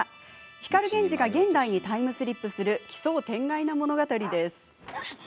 光源氏が現代にタイムスリップする奇想天外な物語です。